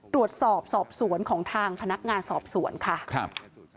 ตรวจสอบสอบสวนของทางพนักงานสอบสวนค่ะครับ